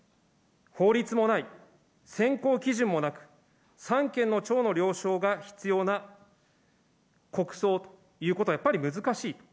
法律もない、選考基準もなく、三権の長の了承が必要な国葬ということはやっぱり難しい。